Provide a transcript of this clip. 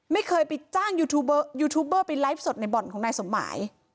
ไม่เคยไปจ้างยูทูบเบอร์ไปไลฟ์สดในบ่อนของนายสมหมาย